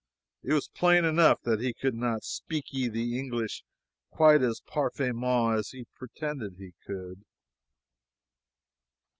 It was plain enough that he could not "speaky" the English quite as "pairfaitemaw" as he had pretended he could.